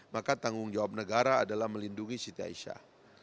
maka tanggung jawab negara adalah melindungi siti aisyah